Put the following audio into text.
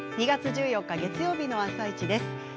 ２月１４日月曜日の「あさイチ」です。